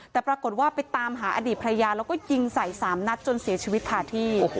แต่ปรากฏว่าไปตามหาอดีตภรรยาแล้วก็ยิงใส่๓นัดจนเสียชีวิตขาดที่